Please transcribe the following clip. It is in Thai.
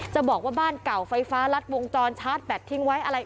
จะบอกว่าบ้านเก่าไฟฟ้ารัดวงจรชาร์จแบตทิ้งไว้อะไร